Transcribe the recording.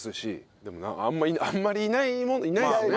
でもあんまりいないもんいないですね。